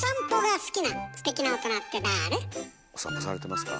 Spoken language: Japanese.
お散歩されてますか？